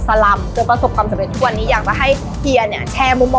เพราะว่าเคล็ดลับความสำเร็จของเฮียคือแบบ